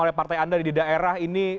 oleh partai anda di daerah ini